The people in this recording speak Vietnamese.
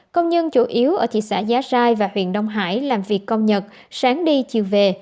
công nhân chủ yếu ở thị xã giá rai và huyện đông hải làm việc công nhật sáng đi chiều về